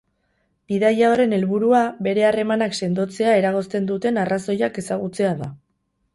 Bidaia horren helburua bere harremanak sendotzea eragozten duten arrazoiak ezagutzea da.